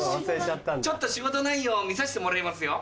ちょっと仕事内容見させてもらいますよ。